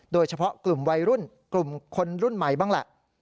โดยเฉพาะกลุ่มวัยรุ่นกลุ่มคนรุ่นใหม่บ้างแหละ